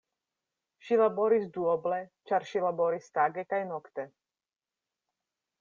Ŝi laboris duoble, ĉar ŝi laboris tage kaj nokte.